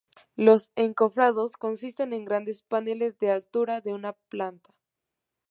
Los encofrados consisten en grandes paneles de la altura de una planta.